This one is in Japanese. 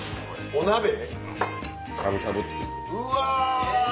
うわ！